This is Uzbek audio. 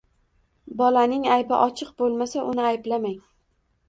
Bolaning aybi ochiq bo‘lmasa uni ayblamang.